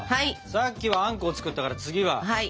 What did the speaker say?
さっきはあんこを作ったから次はおですね。